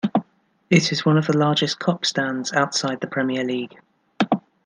It is one of the largest Kop stands outside the Premier League.